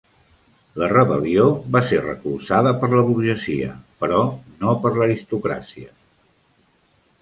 La rebel·lió va ser recolzada per la burgesia, però no per l'aristocràcia.